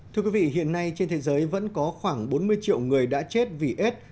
thưa quý vị hiện nay trên thế giới vẫn có khoảng bốn mươi triệu người đã chết vì aids